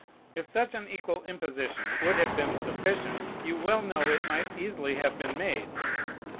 If such an equal imposition would have been sufficient, you well know it might easily have been made.